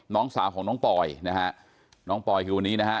น้องสาวของน้องปอยนะฮะน้องปอยคือวันนี้นะฮะ